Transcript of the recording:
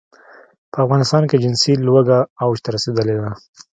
په افغانستان کې جنسي لوږه اوج ته رسېدلې ده.